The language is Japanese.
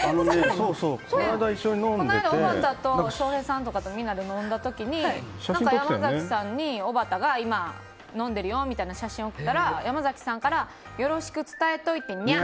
この間、おばたと翔平さんとかとみんなで飲んだ時に山崎さんにおばたが今飲んでいるよみたいな写真を送ったら山崎さんからよろしく伝えておいてにゃ。